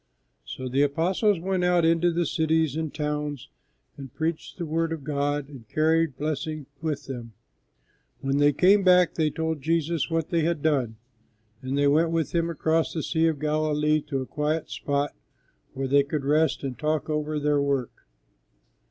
So the apostles went out into the cities and towns and preached the word of God and carried blessing with them. When they came back they told Jesus what they had done, and they went with Him across the sea of Galilee to a quiet spot where they could rest and talk over their work.